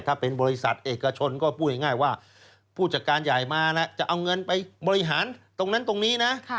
ถ้าเป็นบริษัทเอกชนก็พูดง่ายว่าผู้จัดการใหญ่มาแล้วจะเอาเงินไปบริหารตรงนั้นตรงนี้นะ